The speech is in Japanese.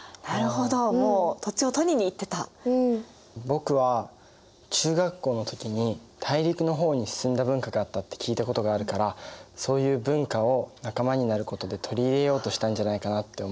僕は中学校の時に大陸の方に進んだ文化があったって聞いたことがあるからそういう文化を仲間になることで取り入れようとしたんじゃないかなって思うな。